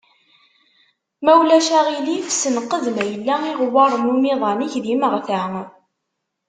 Ma ulac aɣilif senqed ma yella iɣewwaṛen n umiḍan-inek d imeɣta.